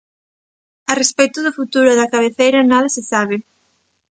A respecto do futuro da cabeceira nada se sabe.